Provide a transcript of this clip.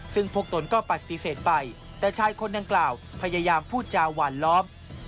ซึ่งพวกตนก็ปฏิเสธไปแต่ชายคนดังกล่าวพยายามพูดจาหวานล้อม